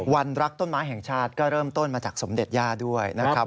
รักต้นไม้แห่งชาติก็เริ่มต้นมาจากสมเด็จย่าด้วยนะครับ